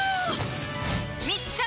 密着！